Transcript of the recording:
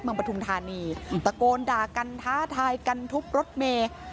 ปฐุมธานีตะโกนด่ากันท้าทายกันทุบรถเมย์